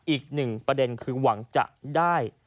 อีกหนึ่งประเด็นคือหวังจะได้